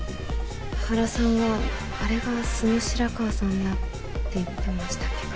原さんはあれが素の白川さんだって言ってましたけど。